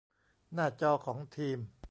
หน้าจอของทีม